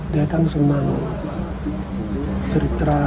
dia kan senang cerita